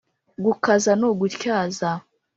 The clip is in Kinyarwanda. Gukaza ni ugutyaza